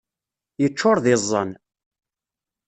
Yeččur d iẓẓan.